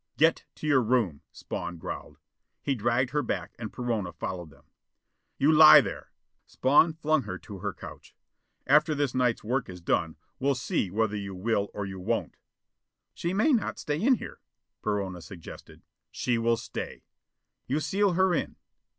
"Get to your room," Spawn growled. He dragged her back, and Perona followed them. "You lie there." Spawn flung her to her couch. "After this night's work is done, we'll see whether you will or you won't." "She may not stay in here." Perona suggested. "She will stay." "You seal her in?"